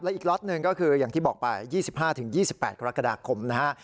อีกล็อตหนึ่งก็คืออย่างที่บอกไป๒๕๒๘กรกฎาคมนะฮะ